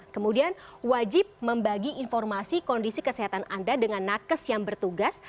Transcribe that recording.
kemudian wajib membagi informasi kondisi kesehatan anda dengan nakes yang bertugas